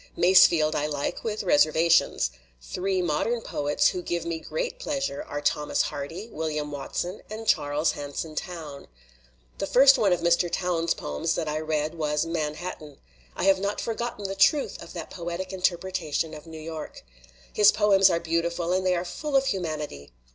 Masefield I like, with reservations. Three modern poets who give me great pleasure are Thomas Hardy, William Watson, and Charles Hanson Towne. The first one of Mr. Towne's poems that I read was "Man hattan." I have not forgotten the truth of that* poetic interpretation of New York. His poems I are beautiful and they are full of humanity.